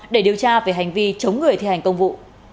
để điều tra về hành vi chống người thi hành công vụ